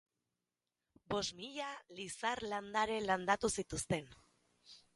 Bost mila lizar landare landatu zituzten.